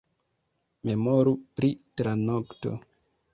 Memoru pri tranokto.